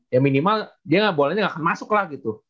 ya minimal dia bolanya gak akan masuk lah gitu